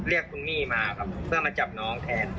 เรียกคุณมี่มาครับเพื่อมาจับน้องแทน